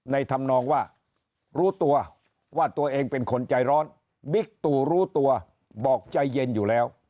ธรรมนองว่ารู้ตัวว่าตัวเองเป็นคนใจร้อนบิ๊กตู่รู้ตัวบอกใจเย็นอยู่แล้ว